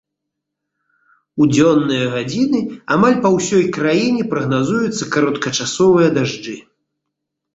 У дзённыя гадзіны амаль па ўсёй краіне прагназуюцца кароткачасовыя дажджы.